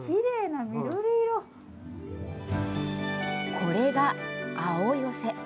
これが青寄せ。